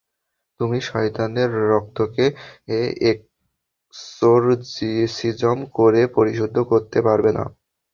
তুমি শয়তানের রক্তকে এক্সোরসিজম করে পরিশুদ্ধ করতে পারবে না!